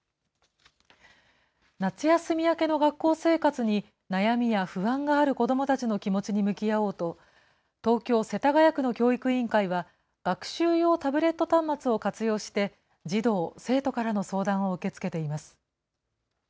夏休み明けの学校生活に悩みや不安がある子どもたちの気持ちに向き合おうと、東京・世田谷区の教育委員会は、学習用タブレット端末を活用して、児童・生徒からの相談を受け付けています。